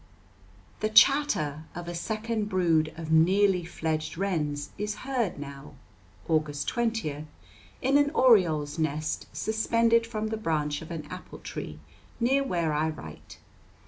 The chatter of a second brood of nearly fledged wrens is heard now (August 20) in an oriole's nest suspended from the branch of an apple tree near where I write.